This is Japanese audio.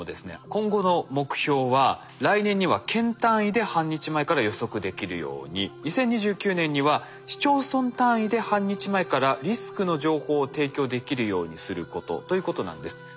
今後の目標は来年には県単位で半日前から予測できるように２０２９年には市町村単位で半日前からリスクの情報を提供できるようにすることということなんです。